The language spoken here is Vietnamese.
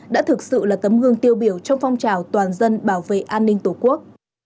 đã thực sự là tấm gương tiêu biểu trong phong trào toàn dân bảo vệ an ninh tổ quốc